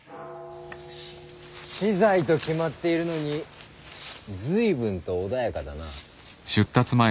死罪と決まっているのに随分と穏やかだな。